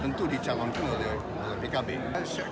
tentu dicalonkan oleh pkb